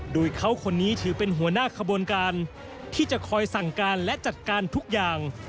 โดยเขาคนนี้ถือเป็นหัวหน้าขบวนการที่จะคอยสั่งการและจัดการทุกอย่าง